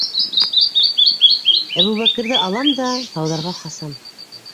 Әбүбәкерҙе алам да... тауҙарға ҡасам!